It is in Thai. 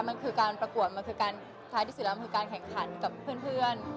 มันคือการประกวดมันคือการแข่งขันกับเพื่อน